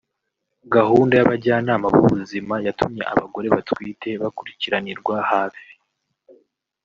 Gahunda y’abajyanama b’ubuzima yatumye abagore batwite bakurikiranirwa hafi